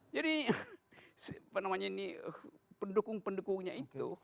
jadi pendukung pendukungnya itu